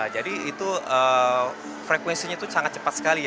jadi itu frekuensinya itu sangat cepat sekali ya